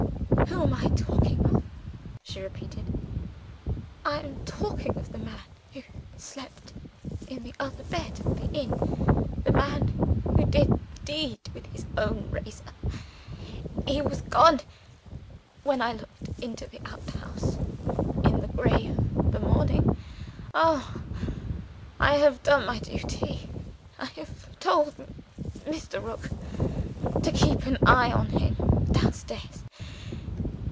Who am I talking of?" she repeated. "I am talking of the man who slept in the other bed at the inn; the man who did the deed with his own razor. He was gone when I looked into the outhouse in the gray of the morning. Oh, I have done my duty! I have told Mr. Rook to keep an eye on him downstairs.